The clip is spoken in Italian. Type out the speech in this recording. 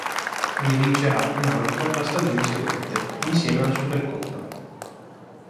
Ne vincerà un altro la stagione seguente, insieme alla Supercoppa.